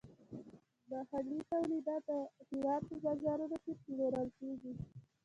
محلي تولیدات د هیواد په بازارونو کې پلورل کیږي.